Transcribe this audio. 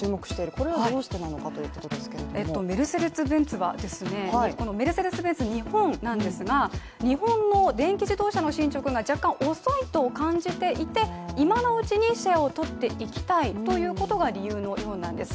これはどうしてなのかということですけれどもこのメルセデス・ベンツ日本なんですけれども、日本の電気自動車の進捗が若干遅いと感じていて今のうちにシェアを取っていきたいということが理由のようなんです。